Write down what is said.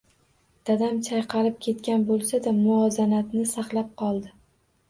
Dadam chayqalib ketgan boʻlsa-da, muvozanatni saqlab qoldi.